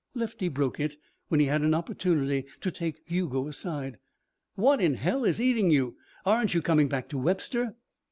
Lefty broke it when he had an opportunity to take Hugo aside. "What in hell is eating you? Aren't you coming back to Webster?"